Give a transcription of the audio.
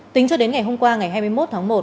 tính cho đến ngày hôm qua ngày hai mươi một tháng một